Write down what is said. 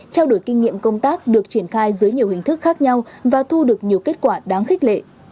trao đổi kinh nghiệm công tác được triển khai dưới nhiều hình thức khác nhau và thu được nhiều kết quả đáng khích lệ